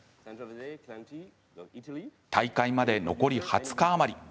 大会まで残り２０日余り。